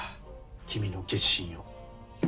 君の決心を。